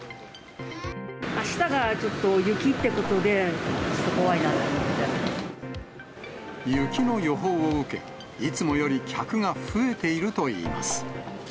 あしたがちょっと雪ってこと雪の予報を受け、いつもより客が増えているといいます。